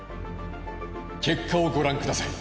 結果をご覧ください。